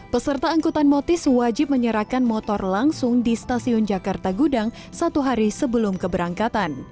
peserta angkutan motis wajib menyerahkan motor langsung di stasiun jakarta gudang satu hari sebelum keberangkatan